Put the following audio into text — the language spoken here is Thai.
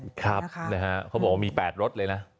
ครับนะฮะเขาบอกว่ามี๘รถเลยนะ